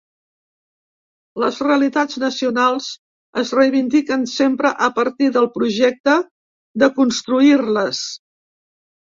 Les realitats nacionals es reivindiquen sempre a partir del projecte de construir-les.